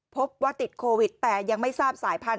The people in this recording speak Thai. พบว่าติดโควิดแต่ยังไม่ทราบสายพันธุ